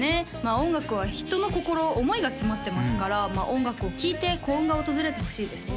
音楽は人の心思いが詰まってますから音楽を聴いて幸運が訪れてほしいですね